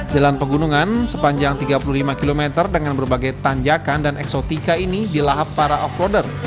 jalan pegunungan sepanjang tiga puluh lima km dengan berbagai tanjakan dan eksotika ini dilahap para off roader